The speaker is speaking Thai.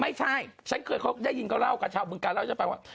ไม่ใช่ฉันเคยเขาได้ยินเขาเล่ากับชาวบึงการเล่าให้ฉันไปว่า